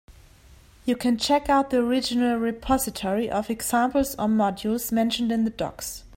You can check out the original repository of examples or modules mentioned in the docs.